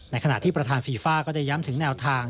ขณะที่ประธานฟีฟ่าก็ได้ย้ำถึงแนวทาง